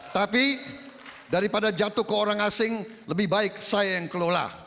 tapi daripada jatuh ke orang asing lebih baik saya yang kelola